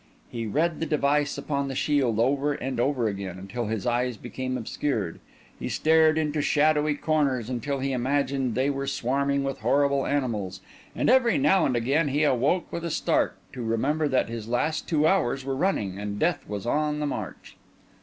He read the device upon the shield over and over again, until his eyes became obscured; he stared into shadowy corners until he imagined they were swarming with horrible animals; and every now and again he awoke with a start, to remember that his last two hours were running, and death was on the march.